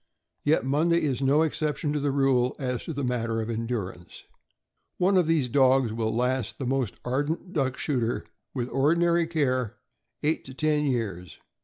Yet Monday is no exception to the rule as to the matter of endurance. One of these dogs will last the most ardent duck shooter, with ordinary care, eight to ten years.